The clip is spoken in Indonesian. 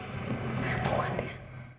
kau yang kuat ya